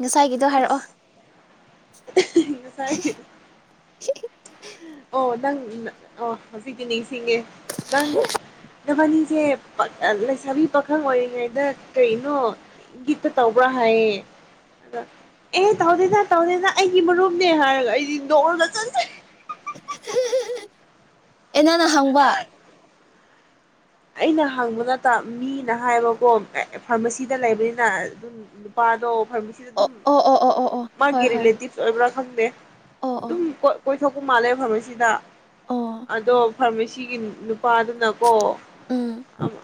ꯉꯁꯥꯏꯒꯤꯗꯣ ꯍꯥꯏꯔꯛꯑꯣ ꯑꯁ ꯉꯁꯥꯏ ꯑꯣ ꯅꯪ ꯑꯣ ꯍꯧꯖꯤꯛꯀꯤꯅꯤ [unintelligible] ꯅꯪ ꯅꯕꯥꯅꯤꯁꯦ [unintelligible] ꯂꯩꯁꯥꯕꯤ ꯄꯥꯈꯪ ꯑꯣꯏꯔꯤꯉꯩꯗ ꯀꯩꯅꯣ ꯏꯪꯒꯤꯠꯇ ꯇꯧꯕ꯭ꯔꯥ ꯍꯥꯏꯌꯦ ꯑꯗꯣ ꯑꯦ ꯇꯧꯗꯦꯅ ꯇꯧꯗꯦꯅ ꯑꯩꯒꯤ ꯃꯔꯨꯞꯅꯦ ꯍꯥꯏꯔꯒ ꯑꯩꯗꯤ ꯅꯣꯛꯑꯒ ꯆꯠꯂꯦ [unintelligible] ꯑꯦꯅꯥꯅ ꯍꯪꯕ ꯑꯩꯅ ꯍꯪꯕ ꯅꯠꯇ ꯃꯤꯅ ꯍꯥꯏꯕꯀꯣ ꯐꯥꯔꯃꯥꯁꯤꯗ ꯂꯩꯕꯅꯤꯅ ꯑꯗꯨꯝ ꯅꯨꯄꯥꯗꯣ ꯐꯥꯔꯃꯁꯤꯗ ꯑꯣ ꯑꯗꯨꯝ ꯑꯣ ꯑꯣ ꯑꯣ ꯑꯣ ꯑꯣ ꯃꯥꯒꯤ ꯍꯣꯏ ꯍꯣꯏ ꯔꯤꯂꯦꯇꯤꯞꯁ ꯑꯣꯏꯕ꯭ꯔꯥ ꯈꯪꯗꯦ ꯑꯣ ꯑꯣ ꯑꯗꯨꯝ ꯄꯨꯊꯣꯛꯄ ꯃꯥꯜꯂꯦ ꯐꯥꯔꯃꯥꯁꯤꯗ ꯑꯣ ꯑꯗꯣ ꯐꯔꯃꯦꯁꯤ ꯅꯨꯄꯥꯗꯨꯅꯀꯣ ꯎꯝ ꯑꯃ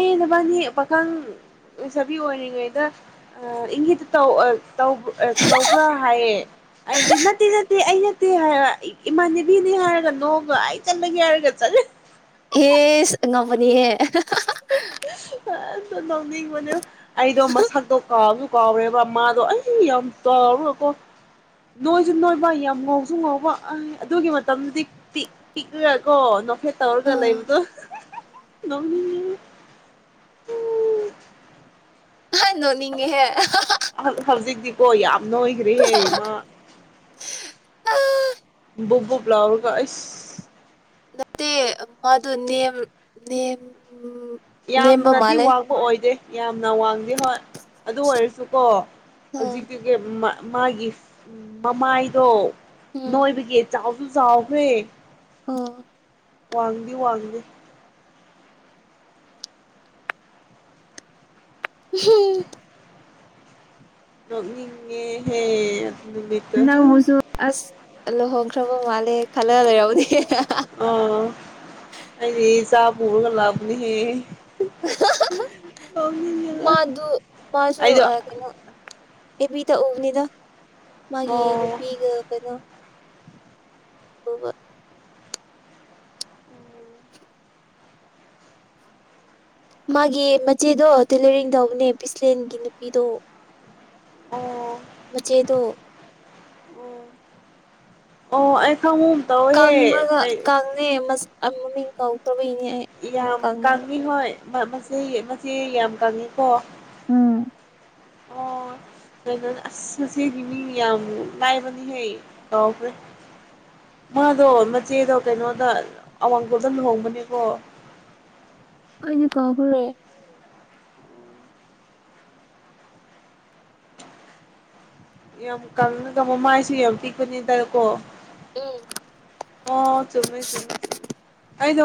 ꯑꯦ ꯅꯕꯥꯟꯅꯤ ꯄꯥꯈꯪ ꯂꯩꯁꯥꯕꯤ ꯑꯣꯏꯔꯤꯉꯩꯗ ꯏꯪꯒꯤꯠꯇ ꯇꯧ ꯑꯦ ꯇꯧ ꯑꯦ ꯇꯧꯕ꯭ꯔꯥ ꯍꯥꯏꯌꯦ ꯑꯩꯗꯤ ꯅꯠꯇꯦ ꯅꯠꯇꯦ ꯑꯩ ꯅꯠꯇꯦ ꯍꯥꯏ ꯏꯃꯥꯟꯅꯕꯤꯅꯦ ꯍꯥꯏꯔꯒ ꯅꯣꯛꯑꯒ ꯑꯩ ꯆꯠꯂꯒꯦ ꯍꯥꯏꯔꯒ ꯆꯠꯂꯦ ꯑꯦꯁ ꯑꯉꯥꯎꯕꯅꯤꯍꯦ ꯍꯦꯛꯇ ꯅꯣꯛꯅꯤꯡꯕꯅꯦ ꯑꯩꯗꯣ ꯃꯁꯥꯛꯗꯣ ꯀꯥꯎ ꯀꯥꯎꯔꯦꯕ ꯃꯥꯗꯣ ꯑꯩ ꯌꯥꯝ ꯀꯥꯎꯔꯀꯣ ꯅꯣꯏꯁꯨ ꯅꯣꯏꯕ ꯌꯥꯝ ꯉꯧꯁꯨ ꯉꯕ ꯑꯩ ꯑꯗꯨꯒꯤ ꯃꯇꯝꯗꯨꯗꯤ ꯄꯤꯛ ꯄꯤꯛꯈ꯭ꯔꯦꯀꯣ ꯅꯣꯐꯦꯠ ꯇꯧꯔꯒ ꯑꯥ ꯂꯩꯕꯗꯣ ꯑꯣ ꯍ ꯅꯣꯅꯤꯡꯉꯦꯍꯦ ꯍꯧꯖꯤꯛꯇꯤꯀꯣ ꯌꯥꯝ ꯅꯣꯏꯈ꯭ꯔꯦꯍꯦ ꯏꯃ ꯑ ꯕꯨꯕꯨꯕꯨꯕ꯭ꯂꯥꯎꯒ ꯑꯁ ꯅꯠꯇꯦ ꯃꯗꯨ ꯅꯦꯝ ꯅꯦꯝ ꯅꯦꯝꯕ ꯌꯥꯝꯅꯗꯤ ꯃꯥꯜꯂꯦ ꯋꯥꯡꯕ ꯑꯣꯏꯗꯦ ꯌꯥꯝꯅ ꯋꯥꯡꯗꯦ ꯍꯣꯏ ꯑꯗꯨ ꯑꯣꯏꯔꯁꯨꯀꯣ ꯑꯥ ꯍꯧꯖꯤꯛꯇꯤꯒꯤ ꯃꯥꯒꯤ ꯃꯃꯥꯏꯗꯣ ꯎꯝ ꯅꯣꯏꯕꯒꯤ ꯆꯥꯎꯕ ꯨ ꯆꯥꯎꯎꯋꯦ ꯑꯣ ꯋꯥꯒꯕꯤ ꯋꯥꯒꯂꯤ ꯍꯝ ꯂ ꯍꯦ ꯅꯪꯁꯨ ꯑꯁꯂꯣ ꯍ ꯈꯈ꯭ꯔꯕ ꯃꯥꯂꯦ ꯈꯂ ꯍꯂ ꯑ ꯍꯥꯏ ꯆ ꯀꯜꯒ ꯂꯕꯅꯤ ꯃꯥꯗꯨ ꯃꯥꯁꯨ ꯑꯩꯗꯣ ꯀꯩꯅꯣ ꯑꯦ ꯄꯤ ꯇ ꯑꯣꯕꯅꯤꯗ ꯃꯥꯒꯤ ꯑꯣ ꯅꯨꯄꯤꯒ ꯀꯩꯅꯣ ꯑꯣ ꯃꯥꯒꯤ ꯃꯆꯦꯗꯣ ꯇꯦꯂꯔꯤꯡ ꯇꯧꯕꯅꯦ ꯕꯤꯁꯂꯦꯟꯒꯤ ꯅꯨꯄꯤꯗꯣ ꯑꯣ ꯃ ꯎꯆꯆꯦꯗ ꯎ ꯑꯣ ꯇꯍꯦ ꯀ ꯑꯃꯃ ꯃꯤ ꯀꯧꯗꯕ ꯌꯥꯝ ꯀꯃꯤ ꯍ ꯃꯦ ꯃꯦ ꯌꯥꯝ ꯀꯪꯉꯤꯀꯣ ꯎꯝ ꯑꯣ ꯀꯩꯅꯣ ꯑꯁ ꯃꯆꯦꯒꯤ ꯃꯤ ꯌꯥꯝ ꯉꯥꯏꯕꯅꯤꯍꯦ ꯀꯥꯎꯈ꯭ꯔꯦ ꯃꯥꯗꯣ ꯃꯆꯦꯗꯣ ꯀꯩꯅꯣꯗ ꯑꯋꯥꯡꯈꯣꯜꯗ ꯂꯨꯍꯣꯡꯕꯅꯦꯀꯣ ꯑꯩꯅꯦ ꯀꯈꯔꯦ ꯌꯥꯝ ꯀꯪꯅꯒ ꯃ ꯃꯥꯏꯁꯨ ꯌꯥꯝ ꯄꯤꯛꯄꯅꯤ ꯇꯦꯀꯣ ꯎꯝ ꯑꯣ ꯆꯨꯝꯃꯦ ꯆꯃꯦ ꯆꯃꯦ ꯑꯩꯗꯣ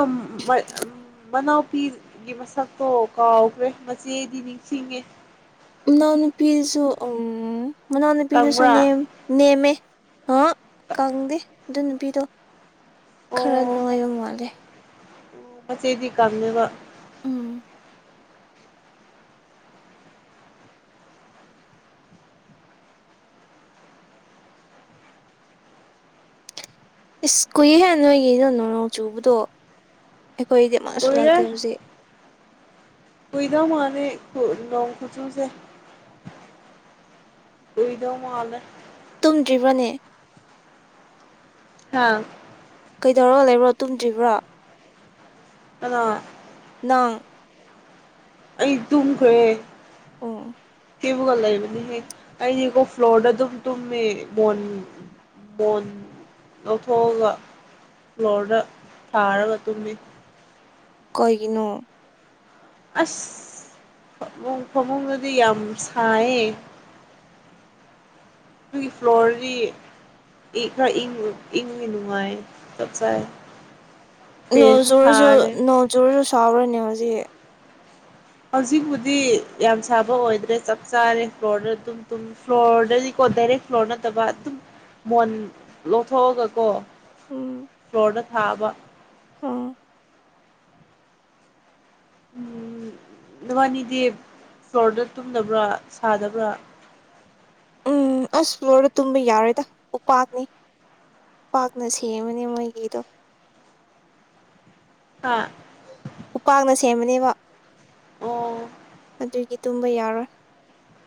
ꯃꯅꯥꯎꯄꯤꯒꯤ ꯃꯁꯛꯇꯣ ꯀꯥꯎꯈ꯭ꯔꯦ ꯃꯆꯦꯗꯤ ꯅꯤꯡꯁꯤꯡꯉꯦ ꯅꯎꯅ ꯄꯤꯁꯨ ꯎꯝ ꯃꯅꯥꯎꯅꯨꯄꯤꯗꯨꯁꯨ ꯀꯪꯕ꯭ꯔꯥ ꯅꯦꯝ ꯅꯦꯝꯃꯦ ꯑ ꯀꯪꯗꯦ ꯑꯗꯨ ꯅꯨꯄꯤꯔꯣ ꯈꯔ ꯅꯨꯡꯉꯥꯏꯕ ꯃꯥꯜꯂꯦ ꯑꯁꯦꯗꯤ ꯀ ꯋꯥ ꯎꯝ ꯏꯁꯁ ꯀꯨꯏꯦꯍꯦ ꯅꯣꯏꯒꯤ ꯅ ꯅꯣꯡ ꯅꯣꯡ ꯆꯨꯕꯗꯣ ꯑꯩꯈꯣꯏꯗꯤ ꯑꯃꯁꯨ ꯑꯣꯏꯔ ꯂꯥꯛꯇꯦ ꯍꯧꯖꯤꯛ ꯑꯣꯏꯗꯧ ꯃꯥꯅꯦ ꯅꯣꯡ ꯈꯨꯆꯨꯁꯦ ꯀꯏꯗꯣ ꯃꯥꯗ ꯇꯨꯝꯗ꯭ꯔꯤꯕꯅꯦ ꯍꯥꯥ ꯀꯩꯗꯧꯔꯣ ꯂꯩꯕ꯭ꯔꯣ ꯇꯨꯝꯗ꯭ꯔꯤꯕ꯭ꯔꯣ ꯑ ꯅꯪ ꯑꯩ ꯇꯨꯝ ꯈꯦ ꯑꯣ ꯊꯦꯕꯒ ꯂꯩꯕꯅꯤꯍꯦ ꯑꯩꯗꯤꯀꯣ ꯐ꯭ꯂꯣꯔꯗ ꯑꯗꯨꯝ ꯇꯨꯝꯃꯦ ꯕꯣꯟ ꯕꯣꯟ ꯂꯧꯊꯣꯛꯑꯒ ꯐ꯭ꯂꯣꯔꯗ ꯊꯥꯔꯒ ꯇꯨꯝꯃꯦ ꯀꯩꯒꯤꯅꯣ ꯑꯁ ꯐꯃꯨꯡ ꯐꯃꯨꯡꯗꯗꯤ ꯌꯥꯝ ꯁꯥꯏꯌꯦ ꯑꯗꯨꯒꯤ ꯐ꯭ꯂꯣꯔꯗꯤ ꯈꯔ ꯏꯪꯉꯤ ꯅꯨꯡꯉꯥꯏ ꯆꯞ ꯆꯥꯏ ꯐꯦꯟꯁꯨ ꯅꯣꯡꯖꯨꯔꯁꯨ ꯊꯥꯔꯦ ꯅꯣꯡꯖꯨꯔꯁꯨ ꯁꯥꯎꯔꯅꯦ ꯍꯧꯖꯤꯛ ꯍꯧꯖꯤꯛꯄꯨꯗꯤ ꯌꯥꯝ ꯁꯥꯕ ꯑꯣꯏꯗ꯭ꯔꯦ ꯆꯞ ꯆꯥꯔꯦ ꯐ꯭ꯂꯣꯔꯗ ꯑꯗꯨꯝ ꯐ꯭ꯂꯣꯔꯗꯗꯤꯀꯣ ꯗꯥꯏꯔꯦꯛ ꯐ꯭ꯂꯣꯔ ꯅꯠꯇꯕ ꯑꯗꯨꯝ ꯃꯣꯟ ꯂꯧꯊꯣꯛꯑꯒꯀꯣ ꯎꯝ ꯐ꯭ꯂꯣꯔꯗ ꯊꯥꯕ ꯎꯝ ꯎꯝ ꯅꯕꯥꯅꯤꯗꯤ ꯐ꯭ꯂꯣꯔꯗ ꯇꯨꯝꯗꯕ꯭ꯔꯥ ꯁꯥꯗꯕ꯭ꯔꯥ ꯎꯝ ꯑꯁ ꯐ꯭ꯂꯣꯔꯗ ꯇꯨꯝꯕ ꯌꯥꯔꯣꯏꯗ ꯎꯄꯥꯛꯅꯤ ꯎꯄꯥꯛꯅ ꯁꯦꯝꯕꯅꯦ ꯃꯣꯏꯒꯤꯗꯣ ꯑ ꯎꯄꯥꯛꯅ ꯁꯦꯝꯕꯅꯦꯕ ꯑꯣ ꯑꯗꯨꯏꯒꯤ ꯇꯨꯝꯕ ꯌꯥꯔꯣꯏ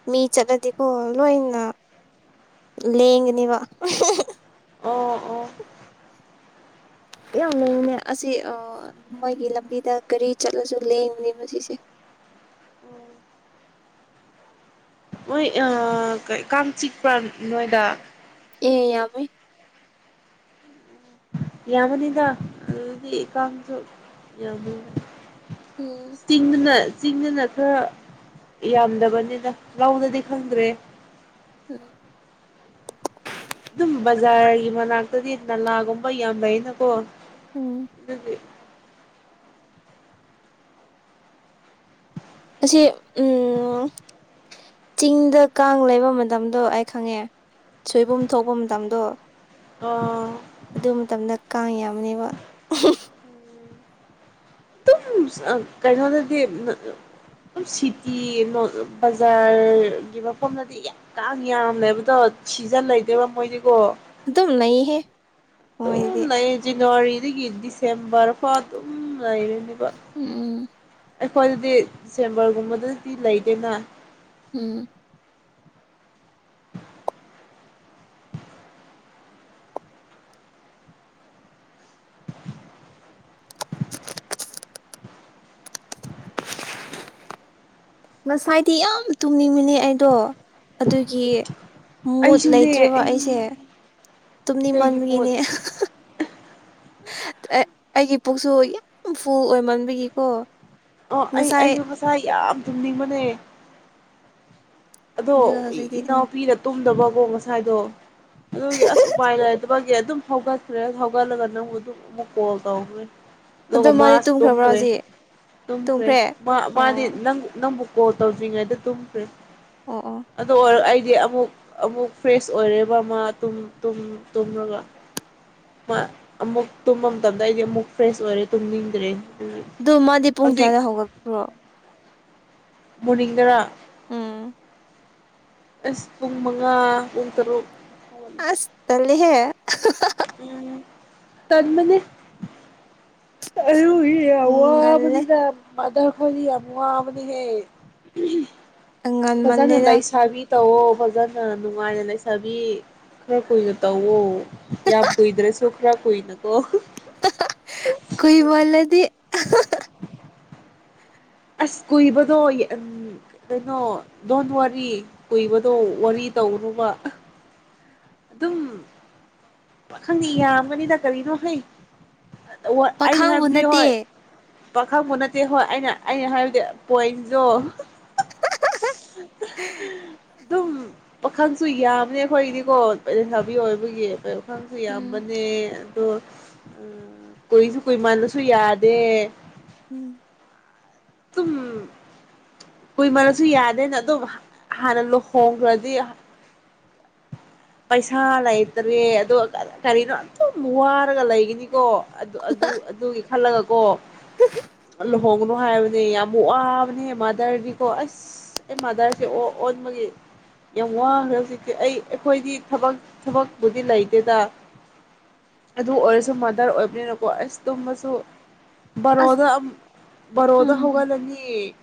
ꯃꯤ ꯆꯠꯂꯗꯤꯀꯣ ꯂꯣꯏꯅ ꯂꯦꯡꯒꯅꯦꯕ ꯑꯣ ꯑꯣ ꯀꯌꯥꯝ ꯂꯩꯅꯦ ꯑꯁꯤ ꯃꯣꯏꯒꯤ ꯂꯝꯕꯤꯗ ꯒꯥꯔꯤ ꯆꯠꯂꯁꯨ ꯂꯦꯡꯕꯅꯦ ꯁꯤꯁꯦ ꯎꯝ ꯃꯣꯏ ꯑ ꯀꯥꯟꯆꯛ ꯄ꯭ꯔꯥꯥꯟ ꯅꯣꯏꯗꯥꯛ ꯑꯦ ꯌꯥꯃꯦ ꯌꯥꯝꯃꯅꯤꯗ ꯑꯗꯨꯗꯤ ꯀꯥꯡꯁꯨ ꯌꯥꯝꯕꯅꯤꯗ ꯎꯝ ꯢꯇꯤꯛꯅ ꯆꯤꯡꯗꯅ ꯈꯔ ꯌꯥꯝꯗꯕꯅꯤꯅ ꯂꯥꯎꯅꯗꯤ ꯈꯪꯗ꯭ꯔꯦ ꯎꯝ ꯑꯗꯨꯝ ꯕꯖꯥꯔꯒꯤ ꯃꯅꯥꯛꯇꯗꯤ ꯅꯂꯥꯒꯨꯝꯕ ꯌꯥꯝ ꯂꯩꯅꯀꯣ ꯎꯝ ꯑꯗꯨꯗꯤ ꯑꯁꯤ ꯎꯝ ꯆꯤꯡꯗ ꯀꯥꯡ ꯂꯩꯕ ꯃꯇꯝꯗꯣ ꯑꯩ ꯈꯪꯉꯦ ꯁꯣꯏꯕꯨꯝ ꯊꯣꯛꯄ ꯃꯇꯝꯗꯣ ꯑ ꯑꯗꯨ ꯃꯇꯝꯗ ꯀꯥꯡ ꯌꯥꯝꯅꯦꯕ ꯑꯗꯨꯝ ꯀꯩꯅꯣꯗꯗꯤ ꯁꯤꯇꯤ ꯕꯖꯥꯔꯒꯤ ꯃꯐꯝꯗꯗꯤ ꯌꯥꯝ ꯀ ꯌꯥꯝꯃꯦꯕꯗꯣ ꯁꯤꯖꯟ ꯂꯩꯗꯣꯏꯕ ꯃꯣꯏꯗꯤꯀꯣ ꯇꯨꯝ ꯅꯍꯦ ꯑꯘꯨꯝ ꯅꯩꯖꯥꯞ ꯖꯅꯋꯥꯔꯤꯗꯒꯤ ꯗꯤꯁꯦꯝꯕꯔ ꯐꯥꯎ ꯑꯗꯨꯝ ꯂꯩꯥꯏꯔꯅꯤꯕ ꯎꯝ ꯑꯩꯈꯣꯏꯗꯗꯤꯗꯤ ꯆꯦꯝꯕꯔꯒꯨꯝꯕꯗꯗꯤ ꯂꯩꯗꯦꯅ ꯎꯝ ꯉꯁꯥꯏꯗꯤ ꯌꯥꯝ ꯇꯨꯝꯅꯤꯡꯃꯤꯅꯦ ꯑꯩꯗꯣ ꯑꯗꯨꯒꯤ ꯃꯨꯠ ꯑꯩꯁꯨꯅꯦ ꯂꯩꯇ꯭ꯔꯦꯕ ꯑꯩ ꯑꯩꯁꯦ ꯀꯩꯒꯤ ꯃꯣꯠ ꯇꯨꯝꯅꯤꯡꯃꯟꯒꯤꯅꯦ ꯑꯩꯒꯤ ꯄꯨꯛꯁꯨ ꯌꯥꯝ ꯐꯨꯜ ꯑꯣꯏꯃꯟꯕꯒꯤꯀꯣ ꯑꯣ ꯑꯩ ꯉꯁꯥꯏ ꯑꯩꯁꯨ ꯉꯁꯥ ꯌꯥꯝ ꯇꯝꯅꯤꯡꯕꯅꯦ ꯑꯗꯣ ꯑꯗꯨꯒ ꯍꯧꯖꯤꯛꯇꯤ ꯏꯅꯎ ꯐꯤꯔ ꯇꯨꯝꯗꯕꯀꯣ ꯉꯁꯥꯏꯗꯣ ꯑꯗꯨꯒꯤ ꯑ ꯎꯥꯏ ꯂꯥꯏꯗ ꯒꯤ ꯑꯗꯨꯝ ꯍꯧꯒꯠꯈ꯭ꯔꯦ ꯍꯧꯒꯠꯂꯒ ꯅꯪ ꯑꯗꯨꯝ ꯑꯃꯨꯛ ꯀꯣꯜ ꯇꯧꯈ꯭ꯔꯦ ꯑꯗꯨ ꯑꯗꯨꯒ ꯃꯥꯗꯤ ꯃꯥꯁ ꯇꯨꯝꯈ꯭ꯔꯕ꯭ꯔꯥ ꯇꯨꯝꯈ꯭ꯔꯦ ꯍꯧꯖꯤꯛ ꯇꯨꯝꯈ꯭ꯔꯦ ꯑꯣ ꯃꯥꯗꯤꯪ ꯅꯪꯕꯨ ꯄꯣ ꯇꯧꯖꯉꯥꯏꯗ ꯇꯝꯁꯦ ꯑꯣ ꯑꯣ ꯑꯗ ꯑꯩꯗꯤ ꯑꯃꯨꯛ ꯑꯃꯨꯛ ꯐ꯭ꯔꯦꯁ ꯑꯣꯏꯔꯦꯕ ꯃꯥ ꯇꯨꯝꯃꯒ ꯃꯥ ꯑꯃꯨꯛ ꯇꯨꯝꯕ ꯃꯇꯝꯗ ꯑꯩꯗꯤ ꯑꯃꯨꯛ ꯐ꯭ꯔꯦꯁ ꯑꯣꯏꯔꯦ ꯇꯨꯝꯅꯤꯡꯗ꯭ꯔꯦ ꯑꯗꯨꯒꯤ ꯑꯗꯨ ꯃꯥꯗꯤ ꯄꯨꯡ ꯍꯧꯖꯤꯛ ꯀꯌꯥꯗ ꯍꯧꯒꯄ꯭ꯔꯣ ꯃꯅꯤꯡꯒꯔ ꯎꯝ ꯑꯦꯁ ꯐꯨꯡ ꯃꯉꯥ ꯎꯟ ꯇꯔꯣ ꯑꯁꯂꯍꯦ [unintelligible] ꯎꯝ ꯇꯗ ꯃ ꯑꯣ ꯎꯝ ꯉꯜꯂꯦ ꯍꯋꯥꯗ ꯃꯗ ꯈꯕꯨꯕꯅꯤ ꯍꯦ ꯐꯖꯅ ꯉꯟꯃꯜꯂꯦꯗ ꯂꯩꯁꯥꯕꯤ ꯇꯧꯑꯣ ꯐꯖꯅ ꯅꯨꯡꯉꯥꯏꯅ ꯂꯩꯁꯥꯕꯤ ꯈꯔ ꯀꯨꯏꯅ ꯇꯧꯋ ꯌꯥ ꯀꯣꯏꯗ꯭ꯔꯦꯁꯨꯈ꯭ꯔꯥ ꯀꯏꯅ ꯀꯣ ꯀꯨꯏꯃꯜꯂꯗꯤ ꯑꯁ ꯀꯨꯏꯕꯗꯣ ꯀꯩꯅꯣ ꯗꯣꯟ ꯋꯥꯔꯤ ꯀꯨꯏꯕꯗꯣ ꯋꯥꯔꯤ ꯇꯧꯔꯨꯕ ꯑꯗꯨꯝ ꯄꯥꯈꯪꯗꯤ ꯌꯥꯝꯒꯅꯤꯅ ꯀꯔꯤꯅꯣ ꯍꯩ ꯑꯩꯅ ꯄꯥꯈꯥꯡꯕꯨ ꯍꯥꯏꯕꯗꯤ ꯅꯠꯇꯦ ꯍꯣꯏ ꯄꯥꯈꯪꯕ ꯅꯠꯇꯦ ꯍꯣꯏ ꯑꯩꯅ ꯑꯩꯅ ꯍꯥꯏꯕꯗꯤ ꯄꯣꯏꯟꯗꯣ ꯑꯗꯨꯝ ꯄꯥꯈꯪꯁꯨ ꯌꯥꯕꯅꯦ ꯑꯩꯈꯣꯏꯒꯤꯗꯤꯀꯣ ꯁꯕꯤ ꯑꯣꯏꯕ ꯐ ꯈꯪꯁꯨ ꯎꯝ ꯌꯥꯝꯕꯅꯦ ꯎꯝ ꯀꯣꯏꯁꯨ ꯀ ꯃꯅꯁꯨ ꯌꯥꯗꯦ ꯎ ꯇꯝ ꯀꯨꯏꯃꯁꯨ ꯌꯥꯗꯦꯅ ꯑꯗꯨꯝ ꯍꯥꯟꯅ ꯂꯨꯍꯣꯡꯈ꯭ꯔꯗꯤ ꯄꯩꯁꯥ ꯂꯩꯇ꯭ꯔꯦ ꯑ ꯀꯔꯤꯅꯣ ꯑꯗꯨꯝ ꯋꯥꯔꯒ ꯂꯩꯒꯅꯤꯀꯣ ꯑꯗꯨ ꯑꯗꯨꯒꯤ ꯈꯜꯂꯒꯀꯣ ꯂꯨꯍꯣꯡꯒꯅꯨ ꯍꯥꯏꯕꯅꯦ ꯌꯥꯝꯨꯛ ꯋꯥ ꯅꯤ ꯃꯥꯗꯔꯅꯤꯀꯣ ꯑꯁ ꯑꯩ ꯃꯥꯗꯔꯁꯦ ꯑꯣꯟꯕꯒꯤ ꯌꯥꯝ ꯋꯥꯈ꯭ꯔꯦ ꯍꯧꯖꯤꯛꯇꯤ ꯑꯩ ꯑꯩꯈꯣꯏꯗꯤꯕꯛ ꯊꯕꯛꯄꯨꯗꯤ ꯂꯩꯇꯦꯗ ꯑꯗꯨ ꯑꯣꯏꯔꯁꯨ ꯃꯥꯗꯔ ꯑꯣꯏꯕꯅꯤꯅꯀꯣ ꯑꯁ ꯇꯨꯝꯃꯁꯨ ꯑꯁ ꯔꯣꯗꯥ ꯔꯣꯗꯥ ꯎꯝ ꯍꯒ ꯅꯪꯅꯤ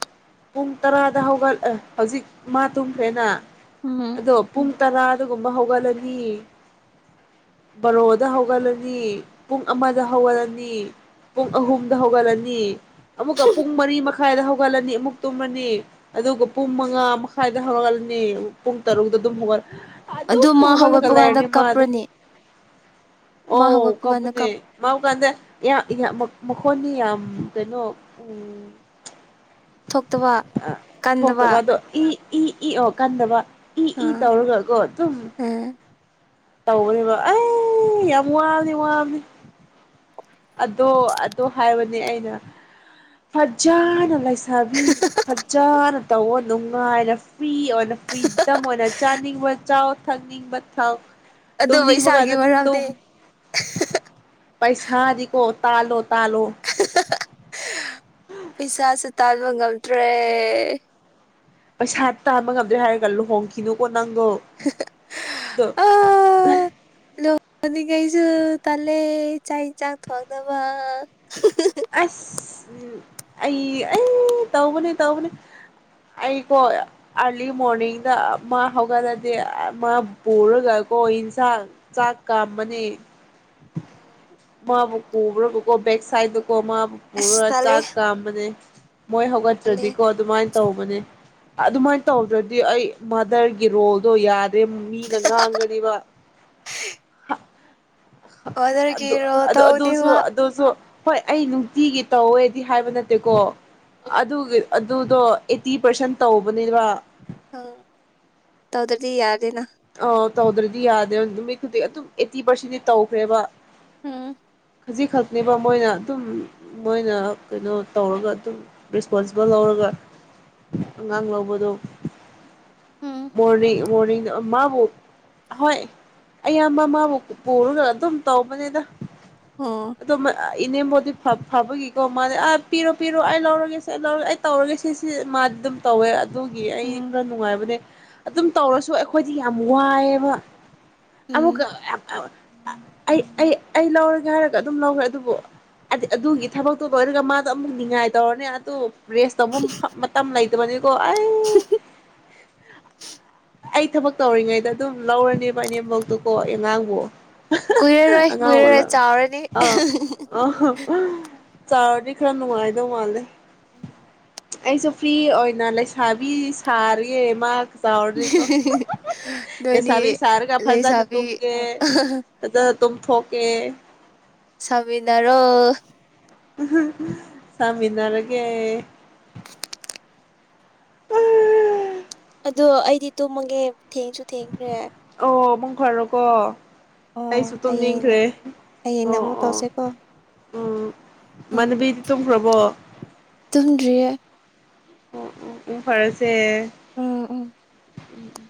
ꯄꯨꯡ ꯇꯔꯥꯗ ꯍꯧꯒꯠꯂꯦ ꯍꯧꯖꯤꯛ ꯃꯥ ꯇꯨꯝꯈ꯭ꯔꯦꯅ ꯎꯝ ꯑꯗꯣ ꯄꯨꯡꯨꯡ ꯇꯔꯥ ꯑꯗꯨꯒꯨꯝꯕ ꯍꯧꯒꯠꯂꯅꯤ ꯕꯥꯔꯣꯗ ꯍꯧꯒꯠꯂꯅꯤ ꯄꯨꯡ ꯑꯃꯗ ꯍꯧꯒꯠꯂꯅꯤ ꯄꯨꯡ ꯑꯍꯨꯝꯗ ꯍꯧꯒꯠꯂꯅꯤ ꯑꯃꯨꯛꯀ ꯄꯨꯡ ꯃꯔꯤ ꯃꯈꯥꯏꯗ ꯍꯧꯒꯠꯂꯅꯤ ꯑꯃꯨꯛ ꯇꯨꯝꯃꯅꯤ ꯑꯗꯨꯒ ꯄꯨꯡ ꯃꯉꯥ ꯃꯈꯥꯏꯗ ꯍꯧꯔꯒꯂꯅꯤ ꯄꯨꯡ ꯇꯔꯨꯛꯇꯛꯇ ꯑꯗꯨꯝ ꯍꯧꯒꯠꯂ ꯑꯗꯨ ꯃꯥ ꯍꯧꯒꯠꯄ ꯀꯥꯟꯗ ꯃꯥꯗꯤ ꯀꯥꯞꯄ꯭ꯔꯅꯦ ꯑꯣ ꯀꯅꯦ ꯃꯥꯕꯨ ꯀꯥꯟꯗ ꯃꯈꯣꯟꯅꯤ ꯌꯥꯝ ꯎ ꯀꯩꯅꯣ ꯎꯝ ꯊꯣꯛꯇꯕ ꯀꯟꯗꯕ ꯊꯣꯛꯇꯕ ꯑꯗꯣ ꯏ ꯏ ꯏ ꯑꯣ ꯀꯟꯗꯕ ꯏ ꯏ ꯑꯥ ꯇꯧꯔꯒ ꯀꯣ ꯑꯗꯨꯝ ꯎꯝ ꯇꯧꯕꯅꯦꯕ ꯑꯩ ꯌꯥꯝ ꯋꯥꯂꯤ ꯋꯥꯂꯤ ꯑꯗꯣ ꯑꯗꯣ ꯍꯥꯏꯕꯅꯦ ꯑꯩꯅ ꯐꯖꯅꯥꯏ ꯁꯕꯤ ꯆꯖꯔ ꯇꯋ ꯅꯨꯡꯉꯥꯏꯔ ꯐꯔꯤ ꯑꯣꯏꯅ ꯐꯔꯤꯗꯝ ꯑꯣꯏꯅ ꯆꯥꯅꯤꯡꯕ ꯆꯥꯎ ꯊꯛꯅꯤꯡꯕ ꯊꯛ ꯑꯗꯨꯕꯨ ꯇꯨꯝꯅꯤꯡꯕ ꯏꯁꯥꯒꯤ ꯀꯥꯟꯗ ꯇꯨꯝ ꯃꯔꯝꯗꯤ ꯇꯥ ꯂꯣ ꯄꯩꯁꯥꯥꯁ ꯇꯥ ꯉꯇ꯭ꯔꯦ ꯄꯩꯁꯥ ꯇꯥꯕ ꯉꯝꯗ꯭ꯔꯦ ꯍꯥꯏꯔꯒ ꯂꯨꯍꯣꯡꯈꯤꯅꯨ ꯀꯣꯟ ꯅꯣꯗ ꯍꯣꯅꯤꯡꯉꯩꯁꯨ ꯇꯥꯜꯂꯦ ꯆꯥꯛ ꯏꯟꯁꯥꯡ ꯊꯣꯡꯅꯕ ꯑꯁ ꯑꯩ ꯑꯩ ꯇꯧꯕꯅꯤ ꯇꯧꯕꯅꯤ ꯑꯩꯀꯣ ꯑꯥꯔꯂꯤ ꯃꯣꯔꯅꯤꯡꯗ ꯃꯥ ꯍꯧꯒꯠꯂꯗꯤ ꯃꯥ ꯄꯨꯔꯒꯀꯣ ꯏꯟꯁꯥꯡ ꯆꯥꯛ ꯀꯥꯝꯕꯅꯤ ꯃꯥꯕꯨ ꯄꯨꯕ꯭ꯔꯕꯨꯀꯣ ꯕꯦꯛ ꯁꯥꯏꯗ ꯀꯣꯃꯥꯕꯨ ꯑꯁ ꯄꯨꯔꯥ ꯇꯜꯂꯦ ꯆꯥꯛ ꯀꯥꯝꯕꯅꯦ ꯃꯣꯏ ꯇꯜꯂꯦ ꯍꯒꯇ꯭ꯔꯗꯤꯀꯣ ꯑꯗꯨꯃꯥꯏ ꯇꯧꯕꯅꯦ ꯑꯗꯨꯃꯥꯏꯅ ꯇꯧꯗ꯭ꯔꯗꯤ ꯑꯩ ꯃꯥꯗꯔꯒꯤ ꯔꯣꯜꯗꯣ ꯌꯥꯗ ꯑ ꯃꯤ ꯅꯪ ꯉꯥꯡꯒꯅꯤꯕ ꯑꯣꯗꯔꯒꯤ ꯑꯗꯨ ꯔꯣꯜ ꯑ ꯑꯗꯨꯗꯁꯨ ꯇꯧꯅꯤꯕ ꯑꯗꯨꯗꯁꯨ ꯍꯣꯏ ꯑꯩ ꯅꯨꯡꯇꯤꯒꯤ ꯇꯧꯋꯦꯗꯤ ꯍꯥꯏꯕ ꯅꯠꯇꯦꯀꯣ ꯑꯗꯨ ꯑꯗꯨꯗꯣ ꯑꯩꯠꯇꯤ ꯄꯥꯔꯁꯦꯟ ꯇꯧꯕꯅꯤꯕ ꯑ ꯇꯧꯗ꯭ꯔꯗꯤ ꯌꯥꯔꯗꯅ ꯑ ꯇꯧꯗ꯭ꯔꯗꯤ ꯌꯥꯗꯦ ꯅꯨ ꯃꯤ ꯈꯨꯗꯤꯡ ꯑꯗꯨꯝ ꯑꯩꯠꯇꯤ ꯄꯥꯔꯁꯦꯟꯗꯤ ꯇꯧꯈ꯭ꯔꯦꯕ ꯎꯝ ꯈꯖꯤꯛꯈꯛꯅꯦꯕ ꯃꯣꯏꯅ ꯑꯗꯨꯝ ꯃꯣꯏꯅ ꯀꯩꯅꯣ ꯇꯧꯔꯒ ꯑꯗꯨꯝ ꯔꯦꯁꯄꯣꯟꯁꯤꯕꯜ ꯂꯧꯔꯒ ꯑꯉꯥꯡ ꯂꯧꯕꯗꯣ ꯃꯣꯔꯅꯤꯡ ꯃꯣꯔꯅꯤꯡꯗ ꯃꯥꯕꯨ ꯍꯣꯏ ꯑꯌꯥꯝꯕ ꯃꯥꯕꯨ ꯄꯨꯔꯒ ꯑꯗꯨꯝ ꯇꯧꯕꯅꯦꯗ ꯑꯣ ꯑꯗꯨꯃ ꯏꯅꯦꯝꯕꯕꯨꯗꯤ ꯐꯕꯒꯤꯀꯣ ꯃꯥꯗꯤ ꯑꯥ ꯄꯤꯔꯣ ꯄꯤꯔꯣ ꯑꯩ ꯂꯧꯔꯒꯦ ꯁꯤ ꯑꯩ ꯂꯧꯔꯒꯦ ꯑꯩ ꯇꯧꯔꯒꯦ ꯁꯤ ꯁꯤ ꯃꯥꯗꯤ ꯑꯗꯨꯝ ꯇꯧꯋꯦ ꯑꯗꯨꯒꯤ ꯑꯩ ꯎꯝ ꯈꯔ ꯅꯨꯡꯉꯥꯏꯕꯅꯦ ꯑꯗꯨꯝ ꯇꯧꯔꯁꯨ ꯑꯩ ꯑꯩꯈꯣꯏꯗꯤ ꯌꯥꯝ ꯋꯥꯏꯑꯦꯕ ꯑꯃꯨꯛ ꯎꯝ ꯑꯩ ꯑꯩ ꯑꯩ ꯂꯧꯔꯦ ꯍꯥꯏꯔꯒ ꯑꯗꯨꯝ ꯂꯧꯈ꯭ꯔꯦ ꯑꯗꯨꯕꯨꯗꯤ ꯑꯗꯨꯒꯤ ꯊꯕꯛꯇꯣ ꯂꯣꯏꯔꯒ ꯃꯥꯗꯣ ꯑꯃꯨꯛ ꯉꯥꯏ ꯇꯧꯔꯅꯦ ꯑꯗꯨ ꯔꯦꯁ ꯇꯧꯕ ꯃꯇꯝ ꯂꯩ ꯃꯅꯤ ꯀꯣ ꯑꯩ ꯊꯕꯛ ꯇꯧꯔꯤꯉꯩꯗ ꯑꯗꯨꯝ ꯂꯧꯔꯅꯦꯕ ꯑꯅꯦꯝꯕꯛꯇꯨꯀꯣ ꯑꯉꯥꯡꯕꯨ ꯀꯨꯏꯔꯔꯣꯏ ꯑꯉꯥꯡ ꯀꯨꯏꯔꯔꯣꯏ ꯑꯣꯜꯂ ꯆꯥꯎꯔꯅꯤ ꯆꯥꯗꯤ ꯈꯔꯅꯅꯨꯡꯉꯥꯏꯗꯣ ꯃꯥꯂꯦ ꯎꯝ ꯑꯩꯁꯨ ꯐ꯭ꯔꯤ ꯑꯣꯏꯅ ꯂꯩꯁꯥꯕꯤ ꯁꯥꯔꯤꯦ ꯃꯥ ꯆꯥꯎꯗꯤꯀꯣ ꯅꯣꯏꯅꯤ ꯑꯦꯁꯕꯤ ꯁꯔꯒ ꯐꯖꯗꯥ ꯅ ꯂꯩꯁꯥꯕꯤ ꯇꯨꯝꯒꯦ ꯇꯨꯝꯊꯣꯛꯀꯦ ꯁꯃꯤꯗꯔꯣ ꯁꯃꯤꯟꯅꯔꯒꯦ ꯑꯗꯣ ꯑꯩꯗꯤ ꯇꯨꯝꯃꯒꯦ ꯊꯦꯡꯁꯨꯨ ꯊꯦꯡ꯭ꯔꯦ ꯈꯔ ꯀꯣ ꯑꯩꯁꯨ ꯍꯌꯦꯡꯅ ꯇꯨꯝꯅꯤꯡꯈ꯭ꯔꯦ ꯍꯌꯦꯡꯅ ꯑꯣ ꯑꯃꯨꯛ ꯑꯣ ꯇꯧꯁꯦꯀꯣ ꯎꯝ ꯃꯅꯕꯤꯗꯤ ꯇꯨꯝꯈ꯭ꯔꯕꯣ ꯇꯟ ꯑꯣ ꯑꯣ ꯎ ꯐꯔꯁꯦ ꯑ ꯎ ꯎꯝ ꯎꯝ